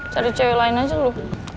cari cewek lain aja loh